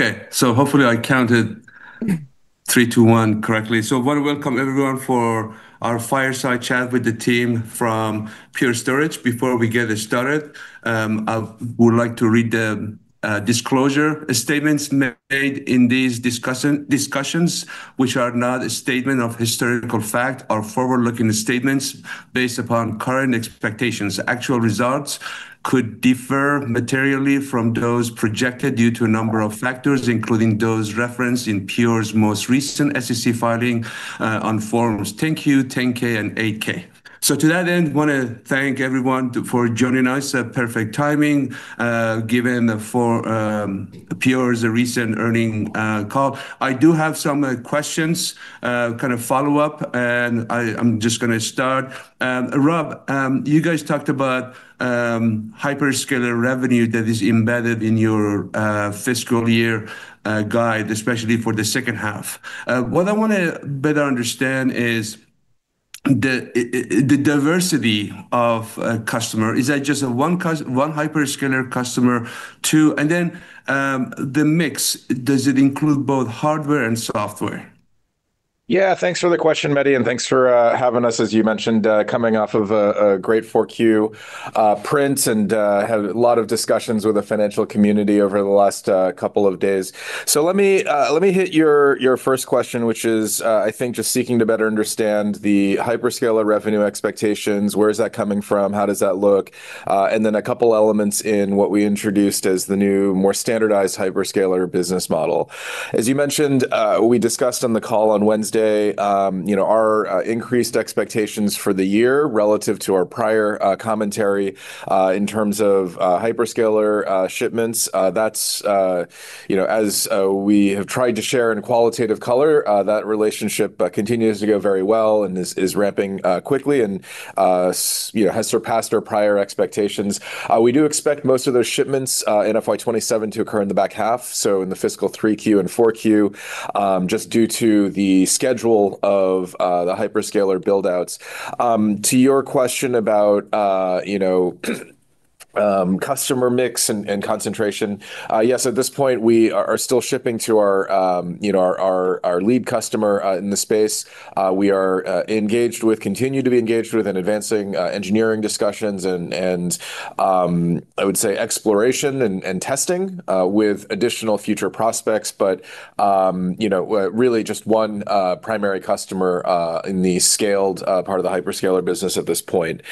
Okay, hopefully I counted three to one correctly. I want to welcome everyone for our fireside chat with the team from Pure Storage. Before we get started, I would like to read the disclosure. Statements made in these discussions which are not a statement of historical fact are forward-looking statements based upon current expectations. Actual results could differ materially from those projected due to a number of factors, including those referenced in Pure's most recent SEC filing, on Forms 10-Q, 10-K and 8-K. To that end, wanna thank everyone for joining us. A perfect timing, given for Pure's recent earnings call. I do have some questions, kind of follow up, and I'm just gonna start. Rob, you guys talked about hyperscaler revenue that is embedded in your fiscal year guide, especially for the second half. What I wanna better understand is the diversity of a customer. Is that just a one hyperscaler customer to— The mix, does it include both hardware and software? Yeah, thanks for the question, Mehdi, and thanks for having us. As you mentioned, coming off of a great 4Q prints and had a lot of discussions with the financial community over the last couple of days. Let me hit your first question, which is, I think just seeking to better understand the hyperscaler revenue expectations. Where is that coming from? How does that look? And then a couple elements in what we introduced as the new, more standardized hyperscaler business model. As you mentioned, we discussed on the call on Wednesday, you know, our increased expectations for the year relative to our prior commentary, in terms of hyperscaler shipments. That's, you know, as we have tried to share in qualitative color, that relationship continues to go very well and is ramping quickly and, you know, has surpassed our prior expectations. We do expect most of those shipments in FY2027 to occur in the back half, so in the fiscal 3Q and 4Q, just due to the schedule of the hyperscaler build-outs. To your question about, you know, customer mix and concentration. Yes, at this point we are still shipping to our, you know, our lead customer in the space. We are engaged with, continue to be engaged with and advancing engineering discussions and, I would say exploration and testing with additional future prospects. You know, really just one primary customer in the scaled part of the hyperscaler business at this point.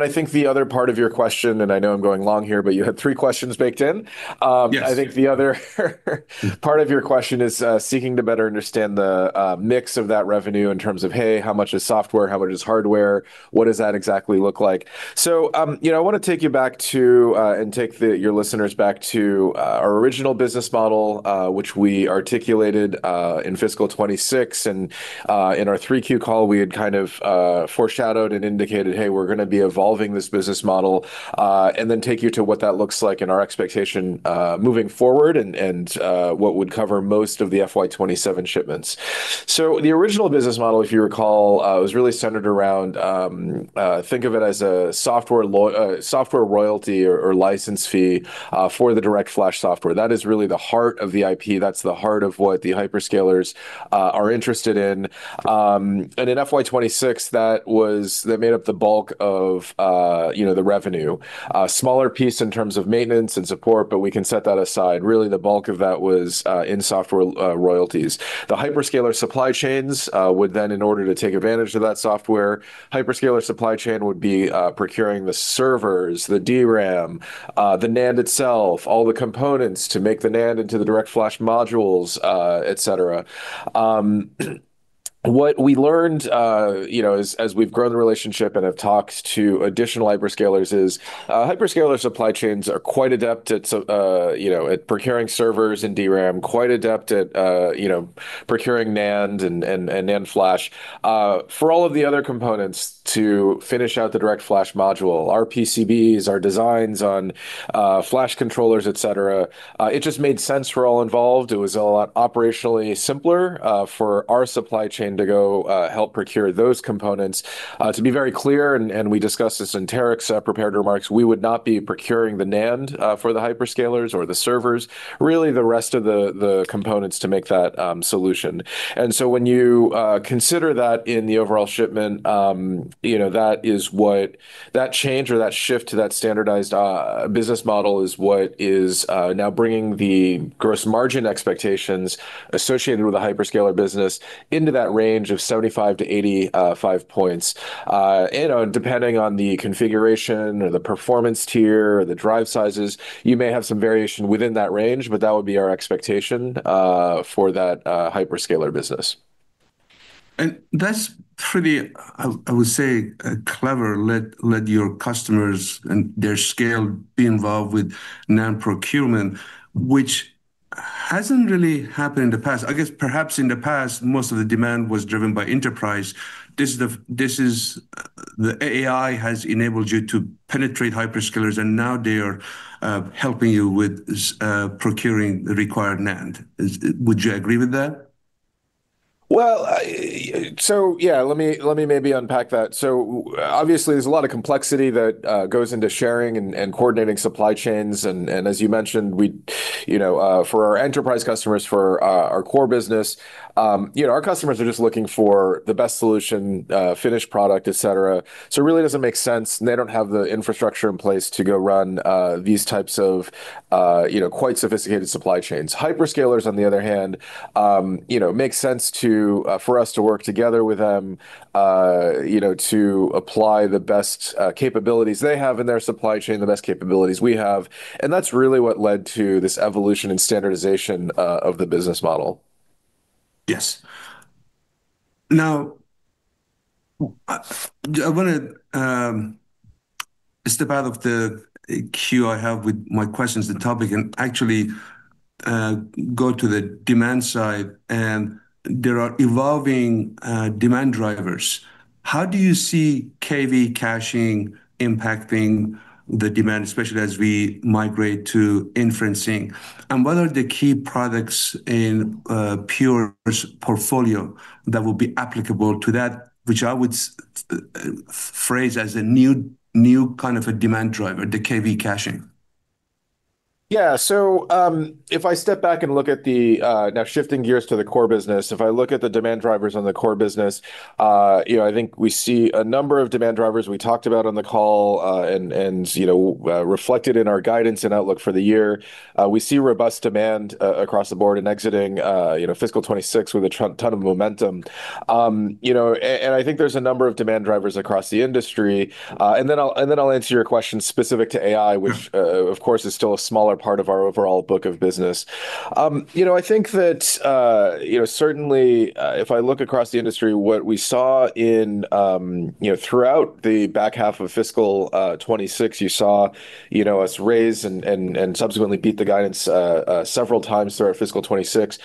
I think the other part of your question, and I know I'm going long here, but you had three questions baked in. I think the other part of your question is seeking to better understand the mix of that revenue in terms of, "Hey, how much is software? How much is hardware? What does that exactly look like?" You know, I want to take you back to and take your listeners back to our original business model, which we articulated in fiscal 2026. In our 3Q call, we had kind of foreshadowed and indicated, "Hey, we're going to be evolving this business model," and then take you to what that looks like and our expectation moving forward and what would cover most of the FY2027 shipments. The original business model, if you recall, was really centered around, think of it as a software royalty or license fee for the DirectFlash software. That is really the heart of the IP. That's the heart of what the hyperscalers are interested in. In FY2026, that made up the bulk of, you know, the revenue. Smaller piece in terms of maintenance and support, but we can set that aside. Really, the bulk of that was in software royalties. The hyperscaler supply chains would then in order to take advantage of that software, hyperscaler supply chain would be procuring the servers, the DRAM, the NAND itself, all the components to make the NAND into the DirectFlash Modules, et cetera. What we learned, you know, as we've grown the relationship and have talked to additional hyperscalers is, hyperscaler supply chains are quite adept at, you know, at procuring servers and DRAM, quite adept at, you know, at procuring NAND and NAND Flash. For all of the other components to finish out the DirectFlash Module, our PCBs, our designs on, flash controllers, et cetera, it just made sense for all involved. It was a lot operationally simpler, for our supply chain to go, help procure those components. To be very clear, and we discussed this in Tarek's prepared remarks, we would not be procuring the NAND, for the hyperscalers or the servers. Really, the rest of the components to make that solution. When you consider that in the overall shipment, you know, that is That change or that shift to that standardized business model is what is now bringing the gross margin expectations associated with the hyperscaler business into that range of 75-85 points. Depending on the configuration or the performance tier or the drive sizes, you may have some variation within that range, but that would be our expectation for that hyperscaler business. That's pretty, I would say, clever. Let your customers and their scale be involved with NAND procurement, which hasn't really happened in the past. I guess perhaps in the past, most of the demand was driven by enterprise. The AI has enabled you to penetrate hyperscalers, and now they are helping you with procuring the required NAND. Would you agree with that? Well, so yeah, let me, let me maybe unpack that. Obviously there's a lot of complexity that goes into sharing and coordinating supply chains. As you mentioned, we, you know, for our enterprise customers, for our core business, you know, our customers are just looking for the best solution, finished product, et cetera. It really doesn't make sense, and they don't have the infrastructure in place to go run these types of, you know, quite sophisticated supply chains. Hyperscalers on the other hand, you know, makes sense to for us to work together with them, you know, to apply the best capabilities they have in their supply chain, the best capabilities we have, and that's really what led to this evolution and standardization of the business model. Yes. Now, I wanna step out of the queue I have with my questions on the topic and actually go to the demand side. There are evolving demand drivers. How do you see KV caching impacting the demand, especially as we migrate to inferencing? What are the key products in Pure's portfolio that will be applicable to that, which I would phrase as a new kind of a demand driver, the KV caching? If I step back and look at the-- Now shifting gears to the core business, if I look at the demand drivers on the core business, you know, I think we see a number of demand drivers we talked about on the call, and, you know, reflected in our guidance and outlook for the year. We see robust demand across the board in exiting, you know, fiscal 2026 with a ton of momentum. You know, and I think there's a number of demand drivers across the industry. And then I'll answer your question specific to AI, which, of course, is still a smaller part of our overall book of business. You know, I think that, you know, certainly, if I look across the industry, what we saw in, you know, throughout the back half of fiscal 2026, you saw, you know, us raise and subsequently beat the guidance, several times through our fiscal 2026.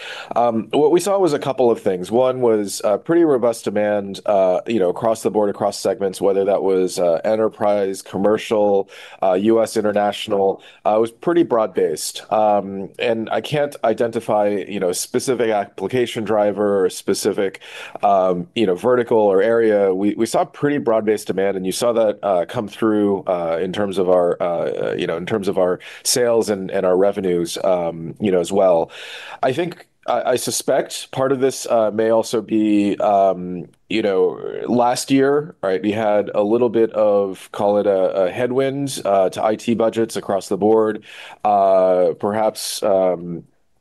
What we saw was a couple of things. One was, pretty robust demand, you know, across the board, across segments, whether that was, enterprise, commercial, U.S., international. It was pretty broad-based. I can't identify, you know, a specific application driver or a specific, you know, vertical or area. We saw pretty broad-based demand, and you saw that come through in terms of our, you know, in terms of our sales and our revenues, you know, as well. I think I suspect part of this may also be, you know, Last year, right, we had a little bit of call it a headwind to IT budgets across the board, perhaps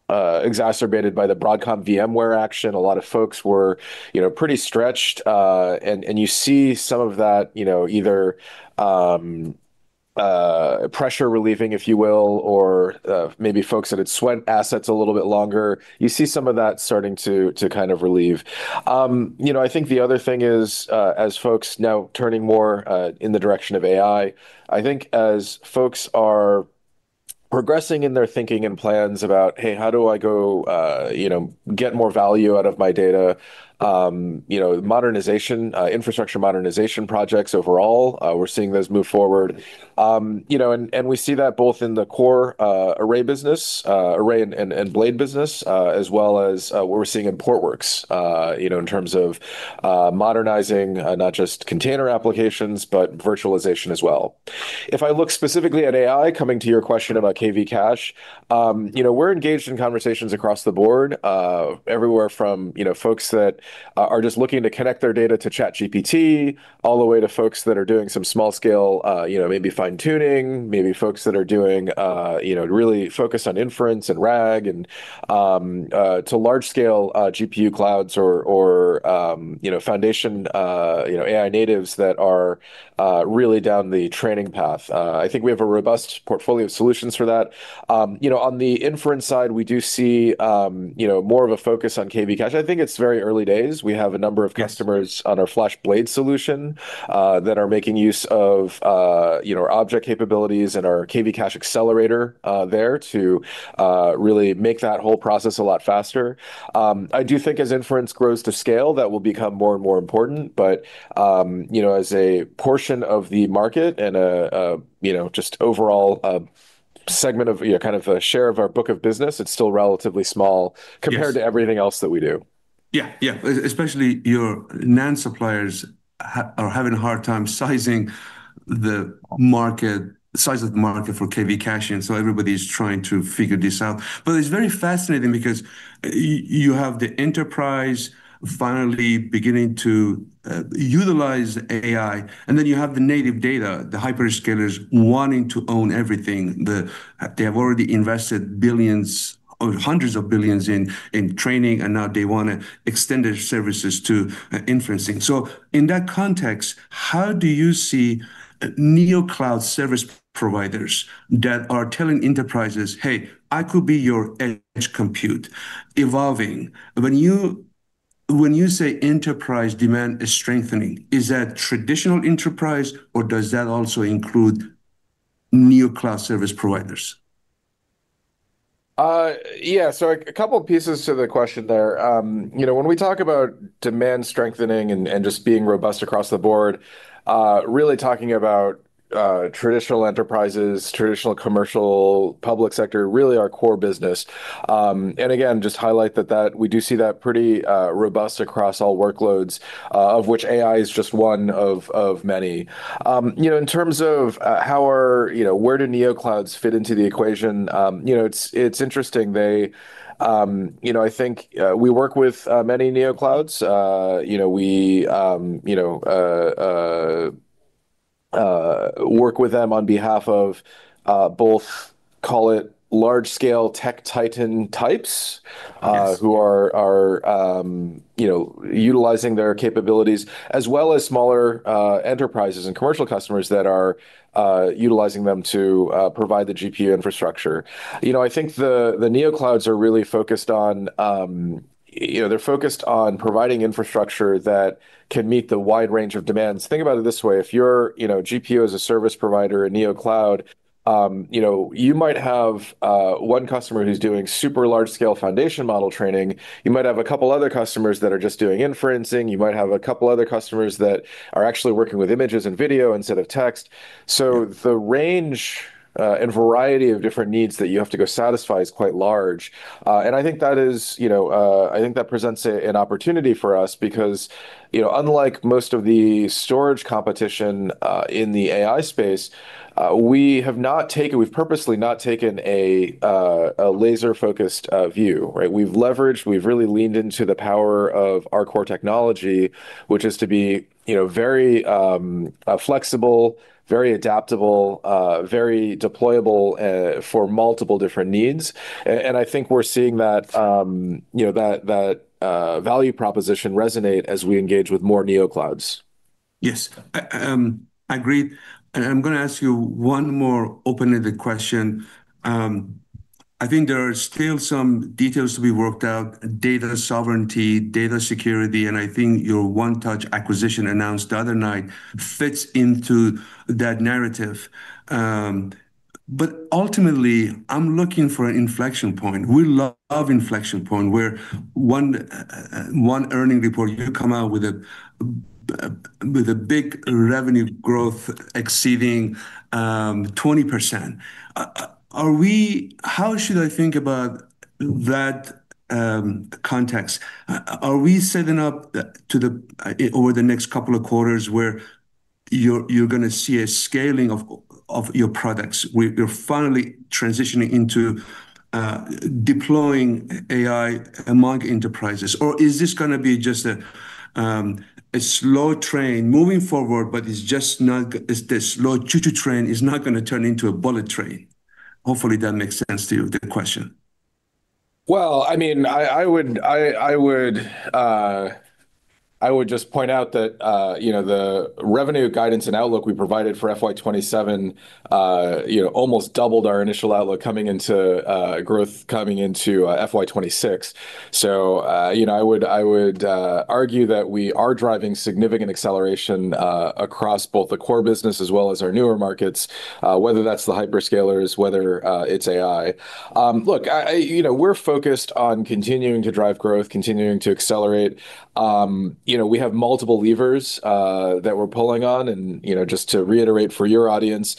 exacerbated by the Broadcom VMware action. A lot of folks were, you know, pretty stretched, and you see some of that, you know, either pressure relieving, if you will, or maybe folks that had sweat assets a little bit longer. You see some of that starting to kind of relieve. You know, I think the other thing is, as folks now turning more, in the direction of AI, I think as folks are progressing in their thinking and plans about, "Hey, how do I go, you know, get more value out of my data?" You know, modernization, infrastructure modernization projects overall, we're seeing those move forward. You know, we see that both in the core, array business, array and, blade business, as well as, what we're seeing in Portworx, you know, in terms of, modernizing, not just container applications, but virtualization as well. If I look specifically at AI, coming to your question about KV cache, you know, we're engaged in conversations across the board, everywhere from, you know, folks that are just looking to connect their data to ChatGPT, all the way to folks that are doing some small scale, you know, maybe fine-tuning, maybe folks that are doing, you know, really focused on inference and RAG and to large scale GPU clouds or, you know, foundation, you know, AI natives that are really down the training path. I think we have a robust portfolio of solutions for that. You know, on the inference side, we do see, you know, more of a focus on KV cache. I think it's very early days. We have a number of customers on our FlashBlade solution, that are making use of, you know, object capabilities and our KV cache accelerator, there to really make that whole process a lot faster. I do think as inference grows to scale, that will become more and more important. You know, as a portion of the market and, you know, just overall, segment of, you know, kind of a share of our book of business, it's still relatively small compared to everything else that we do. Yeah, yeah. Especially your NAND suppliers are having a hard time sizing the market, the size of the market for KV caching. Everybody's trying to figure this out. It's very fascinating because you have the enterprise finally beginning to utilize AI, and then you have the native data, the hyperscalers wanting to own everything. They have already invested billions or hundreds of billions in training, and now they wanna extend their services to inferencing. In that context, how do you see Neocloud service providers that are telling enterprises, "Hey, I could be your edge compute," evolving? When you say enterprise demand is strengthening, is that traditional enterprise or does that also include Neocloud service providers? Yeah. A couple pieces to the question there. You know, when we talk about demand strengthening and just being robust across the board, really talking about traditional enterprises, traditional commercial public sector are really our core business. Again, just highlight that we do see that pretty robust across all workloads, of which AI is just one of many. You know, in terms of where do Neoclouds fit into the equation? You know, it's interesting. They, you know, I think we work with many Neoclouds. You know, we, you know, work with them on behalf of both call it large scale tech titan types who are, you know, utilizing their capabilities as well as smaller enterprises and commercial customers that are utilizing them to provide the GPU infrastructure. You know, I think the Neoclouds are really focused on, you know, they're focused on providing infrastructure that can meet the wide range of demands. Think about it this way, if you're, you know, GPU as a service provider at Neocloud, you know, you might have one customer who's doing super large scale foundation model training. You might have a couple other customers that are just doing inferencing. You might have a couple other customers that are actually working with images and video instead of text. The range and variety of different needs that you have to go satisfy is quite large. I think that is, you know, I think that presents an opportunity for us because, you know, unlike most of the storage competition in the AI space, we've purposely not taken a laser-focused view, right. We've leveraged, we've really leaned into the power of our core technology, which is to be, you know, very flexible, very adaptable, very deployable for multiple different needs. I think we're seeing that, you know, that value proposition resonate as we engage with more Neoclouds. Yes. Agreed. I'm gonna ask you one more open-ended question. I think there are still some details to be worked out, data sovereignty, data security, and I think your 1touch acquisition announced the other night fits into that narrative. Ultimately, I'm looking for an inflection point. We love inflection point, where one earning report you come out with a big revenue growth exceeding 20%. How should I think about that context? Are we setting up to the over the next couple of quarters where you're gonna see a scaling of your products, where you're finally transitioning into deploying AI among enterprises? Is this gonna be just a slow train moving forward, but it's just not the slow Choo Choo Train is not gonna turn into a bullet train? Hopefully, that makes sense to you, the question. Well, I mean, I would just point out that, you know, the revenue guidance and outlook we provided for FY2027, you know, almost doubled our initial outlook coming into, growth coming into, FY2026. You know, I would argue that we are driving significant acceleration across both the core business as well as our newer markets, whether that's the hyperscalers, whether, it's AI. Look, you know, we're focused on continuing to drive growth, continuing to accelerate. You know, we have multiple levers that we're pulling on and, you know, just to reiterate for your audience,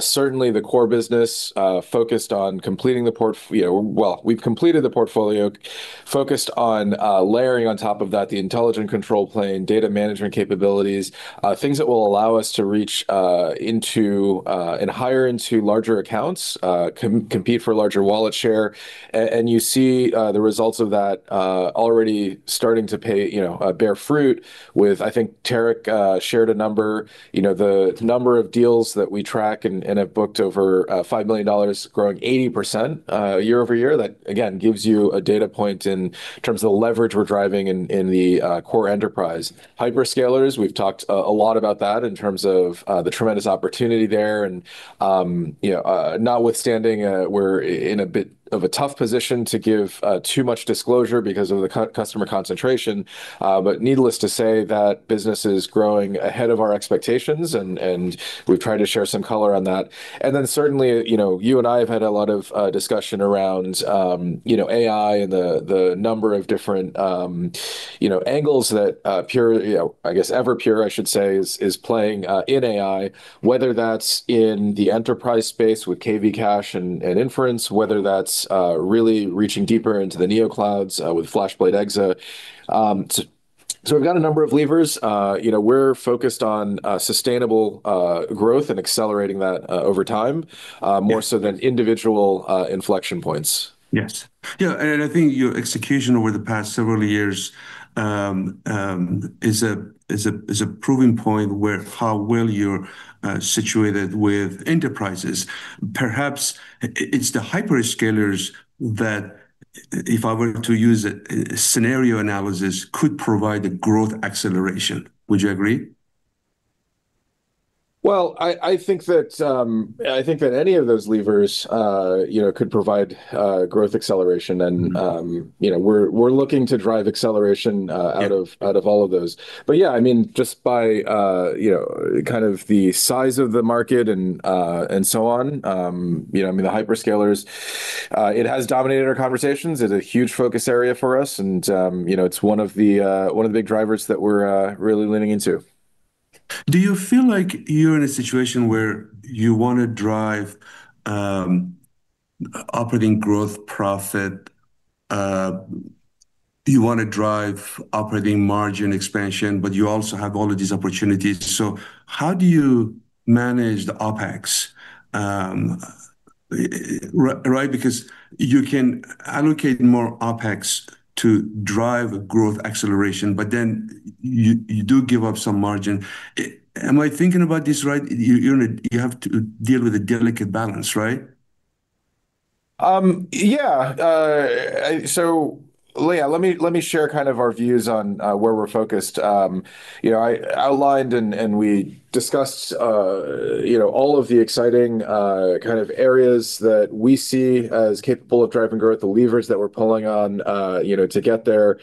certainly the core business, focused on completing the portfolio, focused on, layering on top of that the intelligent control plane, data management capabilities, things that will allow us to reach, into, and hire into larger accounts, compete for larger wallet share. You see, the results of that, already starting to pay, you know, bear fruit with, I think, Tarek, shared a number. You know, the number of deals that we track and, have booked over, $5 million growing 80% year-over-year. That again gives you a data point in terms of the leverage we're driving in, the core enterprise. Hyperscalers, we've talked a lot about that in terms of the tremendous opportunity there and, you know, notwithstanding, we're in a bit of a tough position to give too much disclosure because of the customer concentration. Needless to say, that business is growing ahead of our expectations and we've tried to share some color on that. Certainly, you know, you and I have had a lot of discussion around, you know, AI and the number of different, you know, angles that Pure, you know, I guess Everpure, I should say, is playing in AI, whether that's in the enterprise space with KV cache and Inference, whether that's really reaching deeper into the Neoclouds with FlashBlade//EXA. So we've got a number of levers. You know, we're focused on sustainable growth and accelerating that over time more so than individual, inflection points. Yes. Yeah, I think your execution over the past several years is a proving point where how well you're situated with enterprises. Perhaps it's the hyperscalers that if I were to use a scenario analysis could provide the growth acceleration. Would you agree? I think that, I think that any of those levers, you know, could provide, growth acceleration. You know, we're looking to drive acceleration out of all of those. Yeah, I mean, just by, you know, kind of the size of the market and so on, you know, I mean, the hyperscalers, it has dominated our conversations. It's a huge focus area for us and, you know, it's one of the, one of the big drivers that we're really leaning into. Do you feel like you're in a situation where you wanna drive operating growth profit? Do you wanna drive operating margin expansion, but you also have all of these opportunities. How do you manage the OpEx? Right? Because you can allocate more OpEx to drive growth acceleration, but then you do give up some margin. Am I thinking about this right? You have to deal with a delicate balance, right? Yeah. So yeah, let me, let me share kind of our views on where we're focused. You know, I outlined and we discussed, you know, all of the exciting kind of areas that we see as capable of driving growth, the levers that we're pulling on, you know, to get there.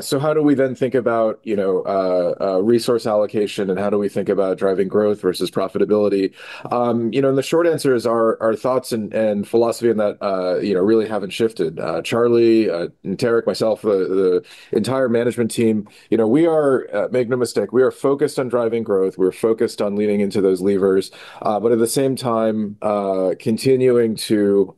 So how do we then think about, you know, a resource allocation, and how do we think about driving growth versus profitability? You know, and the short answer is our thoughts and philosophy in that, you know, really haven't shifted. Charlie and Tarek, myself, the entire management team, you know, we are, make no mistake, we are focused on driving growth. We're focused on leaning into those levers, but at the same time, continuing to,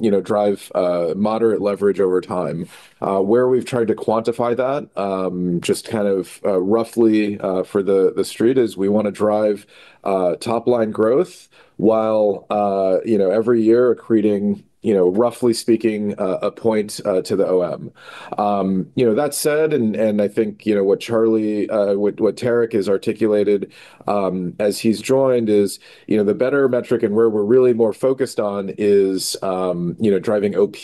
you know, drive moderate leverage over time. Where we've tried to quantify that, just to kind of, roughly, for the street is we wanna drive top-line growth while, you know, every year creating, you know, roughly speaking, a point to the OM. You know, that said, and I think, you know, what Charlie, what Tarek has articulated, as he's joined is, you know, the better metric and where we're really more focused on is, you know, driving OP,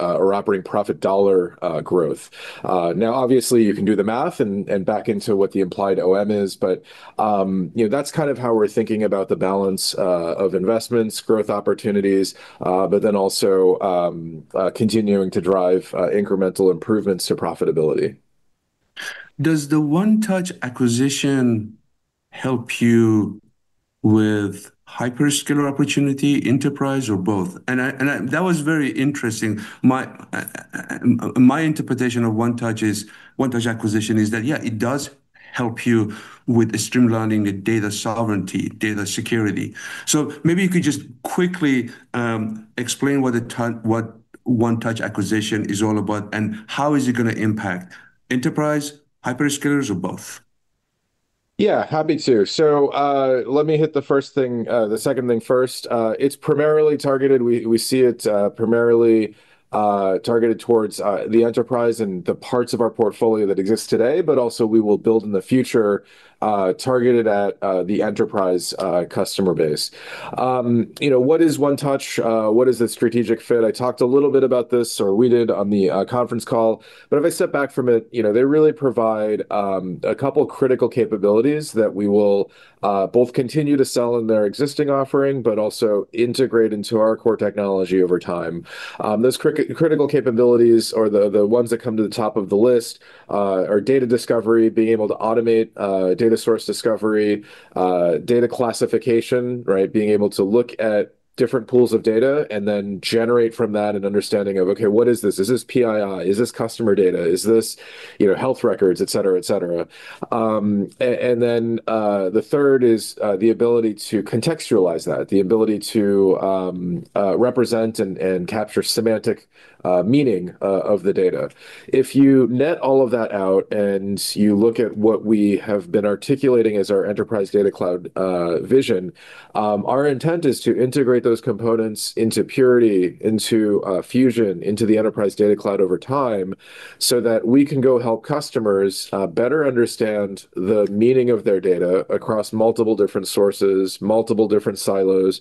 or operating profit dollar, growth. Now obviously you can do the math and back into what the implied OM is, you know, that's kind of how we're thinking about the balance of investments, growth opportunities, also, continuing to drive incremental improvements to profitability. Does the 1touch acquisition help you with hyperscaler opportunity, enterprise or both? That was very interesting. My interpretation of 1touch acquisition is that, yeah, it does help you with streamlining the data sovereignty, data security. Maybe you could just quickly explain what the 1touch acquisition is all about and how is it gonna impact enterprise, hyperscalers or both? Yeah, happy to. Let me hit the first thing, the second thing first. We see it primarily targeted towards the enterprise and the parts of our portfolio that exists today, but also we will build in the future, targeted at the enterprise customer base. You know, what is 1touch? What is the strategic fit? I talked a little bit about this, or we did on the conference call. If I step back from it, you know, they really provide a couple critical capabilities that we will both continue to sell in their existing offering, but also integrate into our core technology over time. Those critical capabilities or the ones that come to the top of the list are data discovery, being able to automate data source discovery, data classification, right? Being able to look at different pools of data and then generate from that an understanding of, okay, what is this? Is this PII? Is this customer data? Is this, you know, health records, et cetera, et cetera. And then, the third is the ability to contextualize that. The ability to represent and capture semantic meaning of the data. If you net all of that out and you look at what we have been articulating as our enterprise data cloud vision, our intent is to integrate those components into Purity, into Fusion, into the enterprise data cloud over time, so that we can go help customers better understand the meaning of their data across multiple different sources, multiple different silos,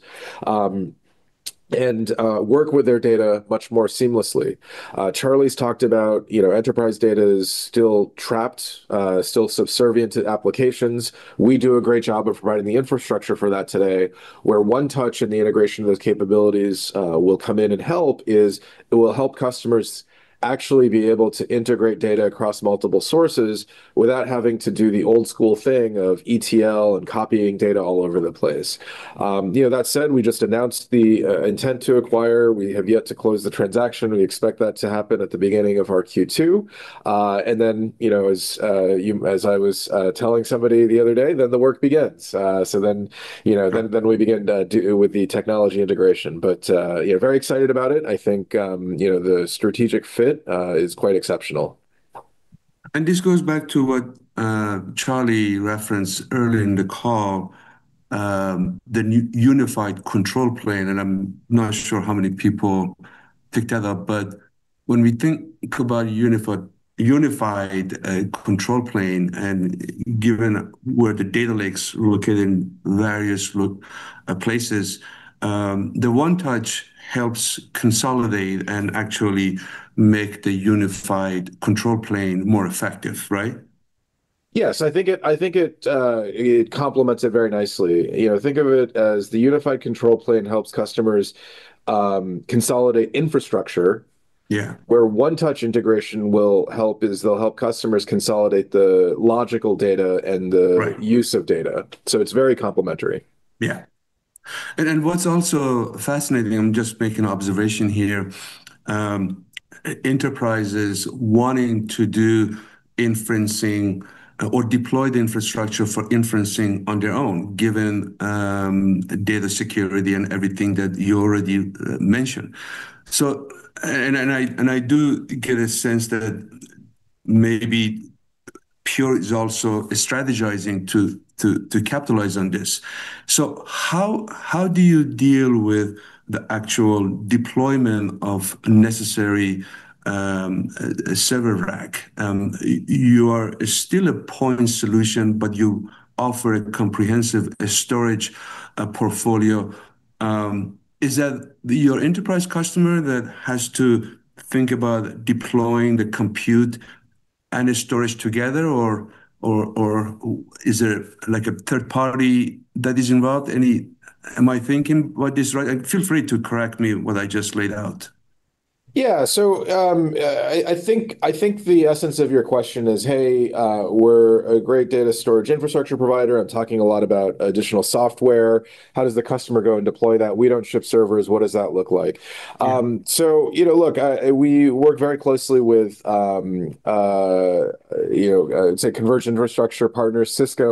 and work with their data much more seamlessly. Charlie's talked about, you know, enterprise data is still trapped, still subservient to applications. We do a great job of providing the infrastructure for that today. Where 1touch and the integration of those capabilities will come in and help is it will help customers actually be able to integrate data across multiple sources without having to do the old school thing of ETL and copying data all over the place. You know, that said, we just announced the intent to acquire. We have yet to close the transaction. We expect that to happen at the beginning of our Q2. You know, as I was telling somebody the other day, then the work begins. You know, then we begin to do with the technology integration. Yeah, very excited about it. I think, you know, the strategic fit is quite exceptional. This goes back to what Charlie referenced earlier in the call, the new unified control plane, and I'm not sure how many people picked that up. When we think about unified control plane, and given where the data lakes are located in various places, the 1touch helps consolidate and actually make the unified control plane more effective, right? Yes. I think it complements it very nicely. You know, think of it as the unified control plane helps customers consolidate infrastructure. Where 1touch integration will help is they'll help customers consolidate the logical data and the use of data. It's very complementary. What's also fascinating, I'm just making an observation here, enterprises wanting to do inferencing or deploy the infrastructure for inferencing on their own, given data security and everything that you already mentioned. I do get a sense that maybe Pure is also strategizing to capitalize on this. How do you deal with the actual deployment of necessary server rack? You are still a point solution, but you offer a comprehensive storage portfolio. Is that your enterprise customer that has to think about deploying the compute and storage together, or is there like a third party that is involved? Am I thinking what is right? Feel free to correct me what I just laid out. Yeah. I think the essence of your question is, "Hey, we're a great data storage infrastructure provider. I'm talking a lot about additional software. How does the customer go and deploy that? We don't ship servers. What does that look like? You know, look, I, we work very closely with, you know, say, converged infrastructure partners, Cisco,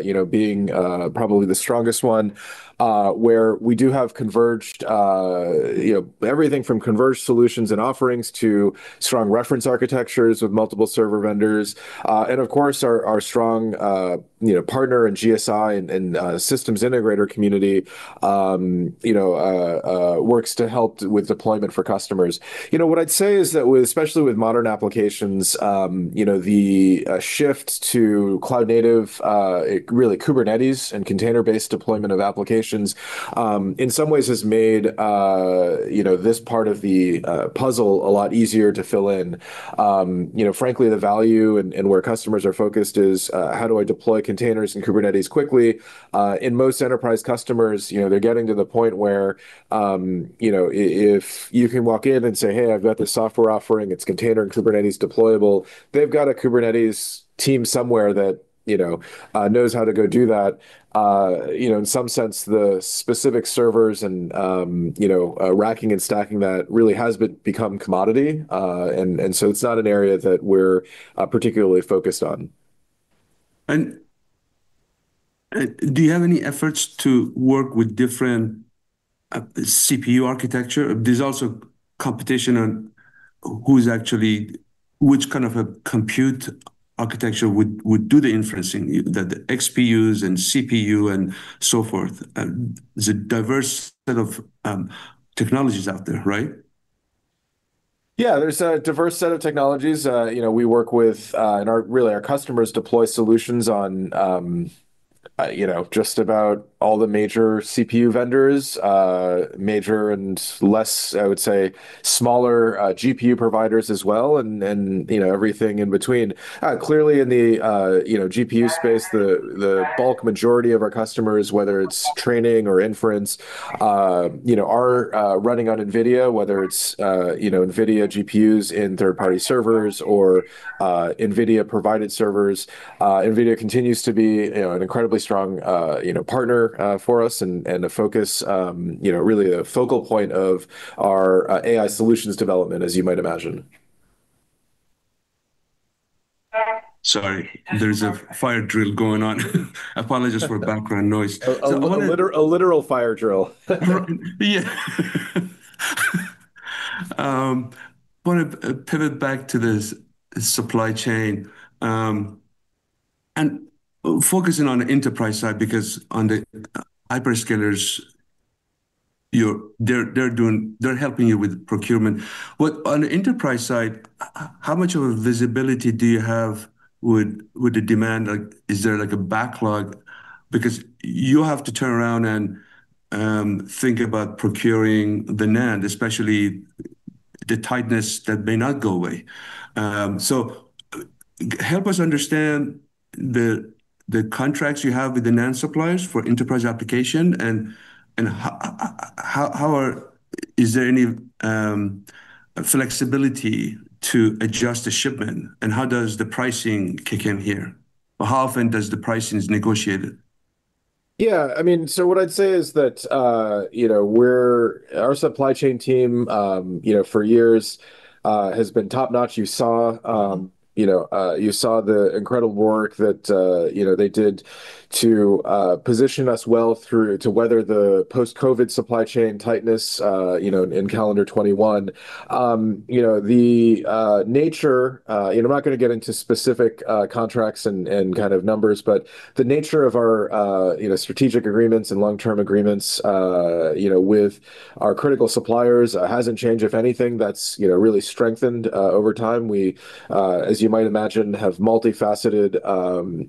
you know, being probably the strongest one, where we do have converged, you know, everything from converged solutions and offerings to strong reference architectures with multiple server vendors. Of course our strong, you know, partner and GSI and systems integrator community, works to help with deployment for customers. You know, what I'd say is that with, especially with modern applications, the shift to cloud native, really Kubernetes and container-based deployment of applications, in some ways has made, you know, this part of the puzzle a lot easier to fill in. You know, frankly, the value and where customers are focused is, how do I deploy containers in Kubernetes quickly? In most enterprise customers, you know, they're getting to the point where, you know, if you can walk in and say, "Hey, I've got this software offering, it's container in Kubernetes deployable," they've got a Kubernetes team somewhere that, you know, knows how to go do that. You know, in some sense, the specific servers and, you know, racking and stacking that really has become commodity. It's not an area that we're particularly focused on. Do you have any efforts to work with different CPU architecture? There's also competition on which kind of a compute architecture would do the inferencing, the XPUs and CPU and so forth. There's a diverse set of technologies out there, right? Yeah. There's a diverse set of technologies. You know, we work with, and our, really, our customers deploy solutions on, you know, just about all the major CPU vendors, major and less, I would say, smaller, GPU providers as well and, you know, everything in between. Clearly in the, you know, GPU space, the bulk majority of our customers, whether it's training or inference, you know, are running on NVIDIA, whether it's, you know, NVIDIA GPUs in third-party servers or, NVIDIA-provided servers. NVIDIA continues to be, you know, an incredibly strong, you know, partner, for us and a focus, you know, really the focal point of our, AI solutions development, as you might imagine. Sorry. There's a fire drill going on. Apologies for background noise. A literal fire drill. Want to pivot back to this supply chain and focusing on the enterprise side, because on the hyperscalers, they're helping you with procurement. On the enterprise side, how much of a visibility do you have with the demand? Like is there like a backlog? Because you have to turn around and think about procuring the NAND, especially the tightness that may not go away. Help us understand the contracts you have with the NAND suppliers for enterprise application and how are— Is there any flexibility to adjust the shipment, and how does the pricing kick in here? How often does the pricing is negotiated? I mean, what I'd say is that, you know, our supply chain team, you know, for years, has been top-notch. You saw, you know, you saw the incredible work that, you know, they did to position us well through to weather the post-COVID supply chain tightness, you know, in calendar 2021. The nature, you know, I'm not gonna get into specific contracts and kind of numbers, but the nature of our, you know, strategic agreements and long-term agreements, You know, with our critical suppliers, hasn't changed. If anything, that's, you know, really strengthened over time. We, as you might imagine, have multifaceted,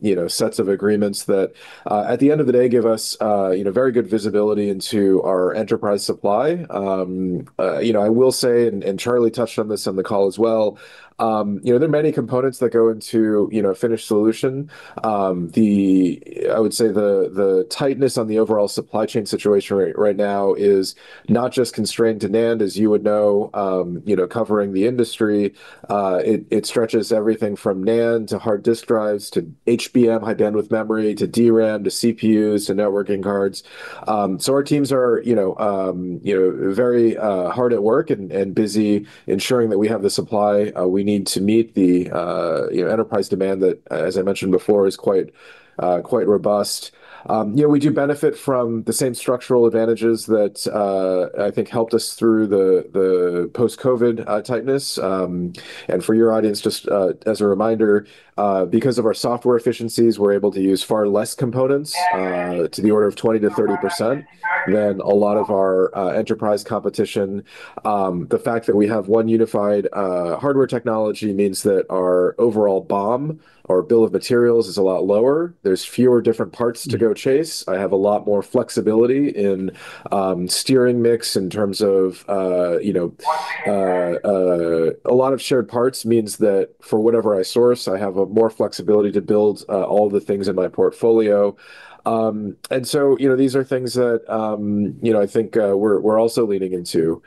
you know, sets of agreements that at the end of the day give us, you know, very good visibility into our enterprise supply. You know, I will say, and Charlie touched on this on the call as well, you know, there are many components that go into, you know, a finished solution. I would say the tightness on the overall supply chain situation right now is not just constrained to NAND as you would know, you know, covering the industry. It stretches everything from NAND to hard disk drives to HBM, high-bandwidth memory, to DRAM, to CPUs, to networking cards. Our teams are, you know, very hard at work and busy ensuring that we have the supply we need to meet the, you know, enterprise demand that, as I mentioned before, is quite robust. You know, we do benefit from the same structural advantages that I think helped us through the post-COVID tightness. For your audience, just as a reminder, because of our software efficiencies, we're able to use far less components, to the order of 20%-30% than a lot of our enterprise competition. The fact that we have one unified hardware technology means that our overall BOM or bill of materials is a lot lower. There's fewer different parts to go chase. I have a lot more flexibility in steering mix in terms of, you know, a lot of shared parts means that for whatever I source, I have more flexibility to build all the things in my portfolio. You know, these are things that, you know, I think, we're also leaning into.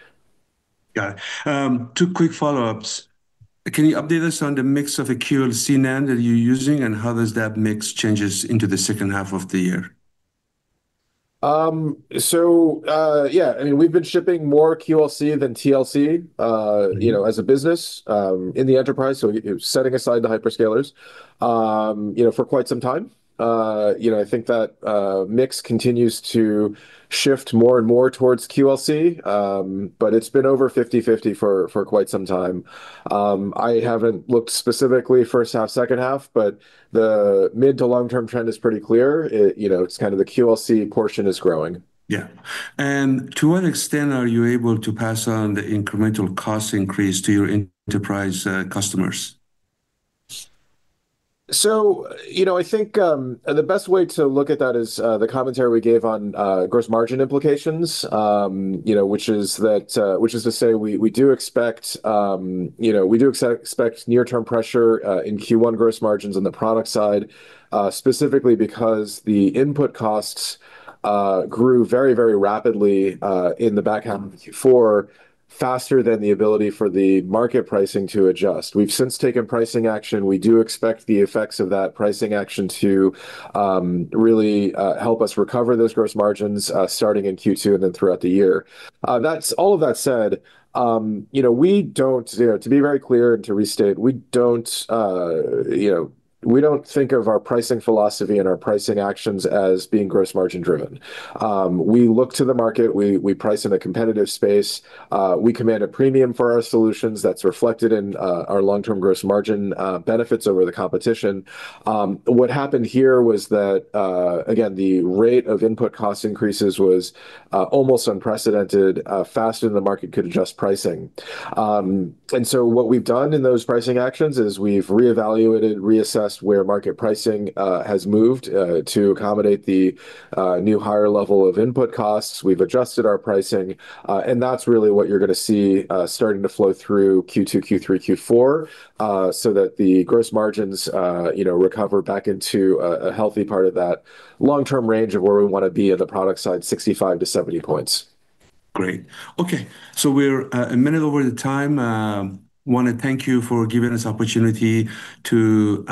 Got it. Two quick follow-ups. Can you update us on the mix of the QLC NAND that you're using, and how does that mix changes into the second half of the year? Yeah. I mean, we've been shipping more QLC than TLC, you know, as a business, in the enterprise, so setting aside the hyperscalers, you know, for quite some time. You know, I think that mix continues to shift more and more towards QLC, but it's been over 50/50 for quite some time. I haven't looked specifically first half, second half, but the mid to long-term trend is pretty clear. It, you know, it's kind of the QLC portion is growing. Yeah. To what extent are you able to pass on the incremental cost increase to your enterprise, customers? You know, I think the best way to look at that is the commentary we gave on gross margin implications, you know, which is that which is to say we do expect, you know, we do expect near term pressure in Q1 gross margins on the product side, specifically because the input costs grew very, very rapidly in the back half of Q4 faster than the ability for the market pricing to adjust. We've since taken pricing action. We do expect the effects of that pricing action to really help us recover those gross margins starting in Q2 and then throughout the year. All of that said, you know, we don't, you know, to be very clear and to restate, we don't, you know, we don't think of our pricing philosophy and our pricing actions as being gross margin driven. We look to the market. We price in a competitive space. We command a premium for our solutions that's reflected in our long-term gross margin benefits over the competition. What happened here was that again, the rate of input cost increases was almost unprecedented, faster than the market could adjust pricing. What we've done in those pricing actions is we've reevaluated, reassessed where market pricing has moved to accommodate the new higher level of input costs. We've adjusted our pricing. That's really what you're gonna see, starting to flow through Q2, Q3, Q4, so that the gross margins, you know, recover back into a healthy part of that long-term range of where we wanna be at the product side, 65 to 70 points. Great. Okay, we're a minute over the time. Wanna thank you for giving us opportunity to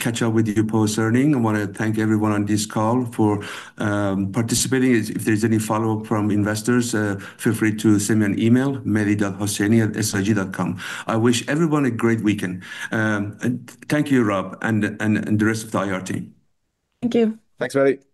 catch up with you post-earning. I wanna thank everyone on this call for participating. If there's any follow-up from investors, feel free to send me an email, mehdi.hosseini@srg.com. I wish everyone a great weekend. Thank you, Rob, and the rest of the IR team. Thanks, Mehdi. Bye.